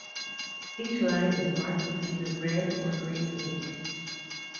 Each line is marked with either red or green ink.